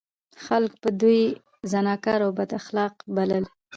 خلکو به دوی زناکار او بد اخلاق بلل.